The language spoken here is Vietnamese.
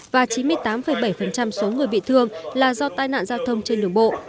và chín mươi tám bảy số người bị thương là do tai nạn giao thông trên đường bộ